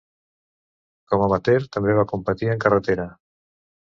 Com amateur també va competir en carretera.